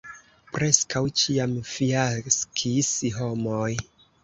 Preskaŭ ĉiam fiaskis homoj.